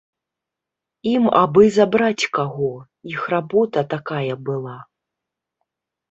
Ім абы забраць каго, іх работа такая была.